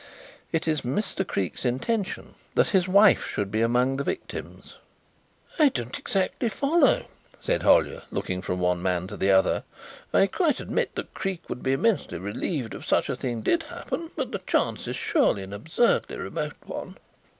"It is Mr. Creake's intention that his wife should be among the victims." "I don't exactly follow," said Hollyer, looking from one man to the other. "I quite admit that Creake would be immensely relieved if such a thing did happen, but the chance is surely an absurdly remote one."